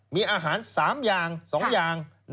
มีอาหาร๓อย่าง๒อย่าง